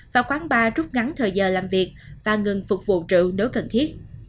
và quán bar rút ngắn thời giờ làm việc và ngừng phục vụ trụ nếu cần thiết